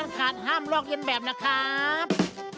สีสันข่าวชาวไทยรัฐมาแล้วครับ